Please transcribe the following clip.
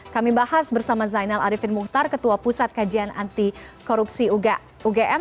kami bahas bersama zainal arifin muhtar ketua pusat kajian anti korupsi ugm